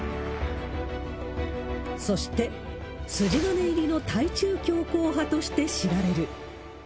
そして、筋金入りの対中強硬派として知られる。